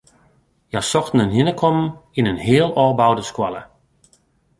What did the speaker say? Hja sochten in hinnekommen yn in heal ôfboude skoalle.